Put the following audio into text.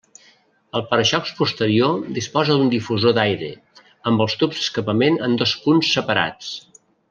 El para-xocs posterior disposa d'un difusor d'aire, amb els tubs d'escapament en dos punts separats.